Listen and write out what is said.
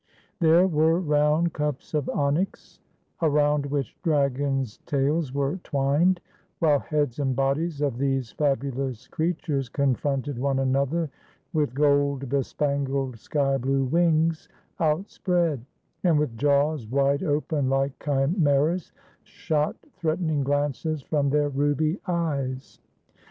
There were round cups of onyx, around which dragons' tails were twined, while heads and bodies of these fabulous creatures confronted one another with gold bespangled sky blue wings out spread, and with jaws wide open like chimeras, shot threatening glances from their ruby eyes.